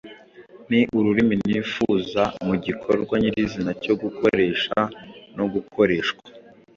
Ni ururimi nifuza mu gikorwa nyirizina cyo gukoresha no gukoreshwa